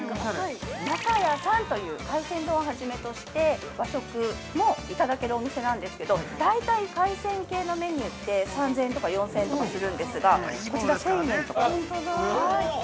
仲家さんという、海鮮丼を初めとして、和食もいただけるお店なんですけど大体海鮮系のメニューって３０００円とか４０００円とかするんですがこちら１０００円とか。